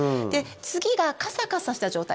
次がカサカサした状態。